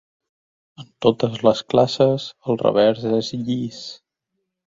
En totes les classes el revers és llis.